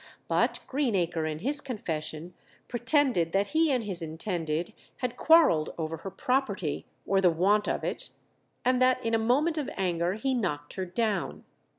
But Greenacre in his confession pretended that he and his intended had quarrelled over her property or the want of it, and that in a moment of anger he knocked her down.